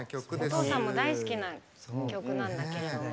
お父さんも大好きな曲なんだけれども。